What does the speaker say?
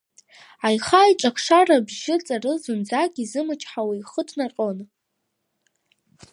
Аиха аиҿақшара бжьы ҵары зынӡак изымчҳауа ихы ҭнаҟьон.